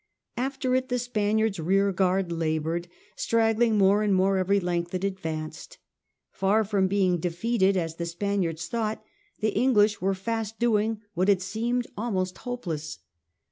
After it the Spaniards' rear guard laboured, straggling more and more every length it advanced. Far from being defeated, as the Spaniards thought, the English were fast doing what had seemed XI ACTION OFF PORTLAND 157 almost hopeless.